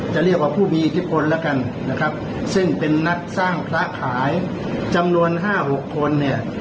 จะเรียกว่าภูมีที่คนแล้วกันนะครับซึ่งเป็นนักสร้างพละขายจำนวน๕๖คนเนี่ย